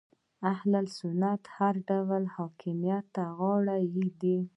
اهل سنت هر ډول حاکمیت ته غاړه ږدي